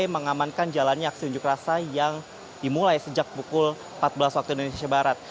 mengamankan jalannya aksi unjuk rasa yang dimulai sejak pukul empat belas waktu indonesia barat